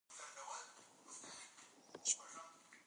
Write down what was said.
د ظرف توری او د ځای په مانا دئ.